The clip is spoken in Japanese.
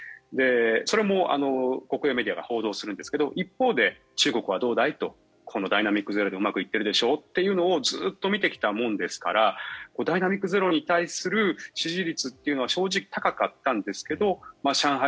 それも国営メディアが報道するんですが一方で中国はどうだい？とこのダイナミック・ゼロでうまくいってるでしょというのをずっと見てきたものですからダイナミック・ゼロに対する支持率というのは正直高かったんですが上海